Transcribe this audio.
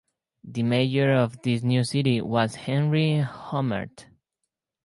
The mayor of this new city was Henry Hummert.